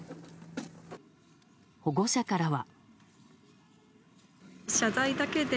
保護者からは。